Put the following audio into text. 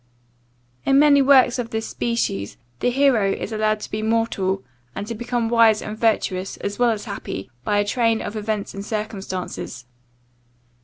In many works of this species, the hero is allowed to be mortal, and to become wise and virtuous as well as happy, by a train of events and circumstances.